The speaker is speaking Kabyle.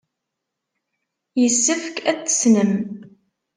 Yessefk ad t-tessnem.